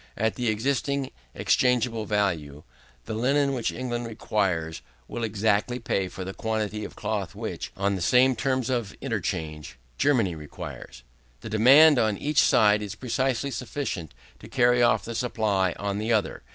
At the existing exchangeable value, the linen which England requires, will exactly pay for the quantity of cloth which, on the same terms of interchange, Germany requires. The demand on each side is precisely sufficient to carry off the supply on the other.